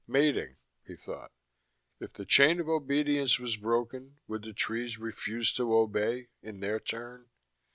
Mating, he thought. If the chain of obedience was broken would the trees refuse to obey, in their turn?